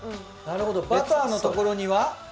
なるほどバターのところには。